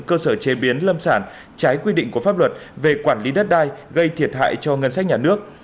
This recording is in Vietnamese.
cơ sở chế biến lâm sản trái quy định của pháp luật về quản lý đất đai gây thiệt hại cho ngân sách nhà nước